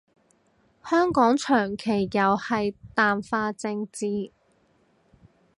香港長期又係淡化政治